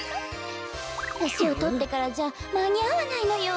としをとってからじゃまにあわないのよ。